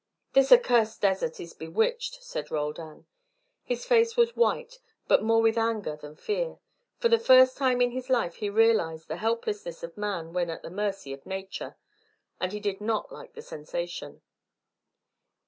"This accursed desert is bewitched," said Roldan. His face was white, but more with anger than fear; for the first time in his life he realised the helplessness of man when at the mercy of nature, and he did not like the sensation.